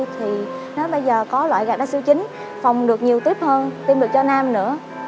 thì nói bây giờ có loại gardasil chín phòng được nhiều tiếp hơn tiêm được cho nam nữa